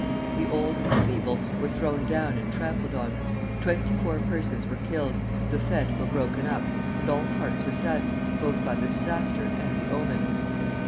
The old and the feeble were thrown down and trampled on. Twenty four persons were killed, the fêtes were broken up, and all hearts were saddened both by the disaster and the omen.